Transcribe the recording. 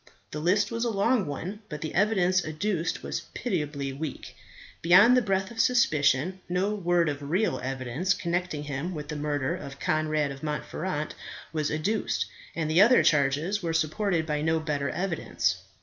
The list was a long one; but the evidence adduced was pitiably weak. Beyond the breath of suspicion, no word of real evidence connecting him with the murder of Conrad of Montferat was adduced, and the other charges were supported by no better evidence.